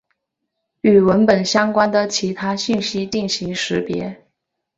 与文本相关的其他信息进行标识。